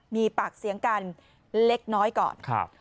มีปากเสียงกันเล็กน้อยก่อนครับ